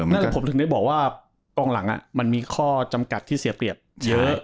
นั่นผมถึงได้บอกว่ากองหลังมันมีข้อจำกัดที่เสียเปรียบเยอะ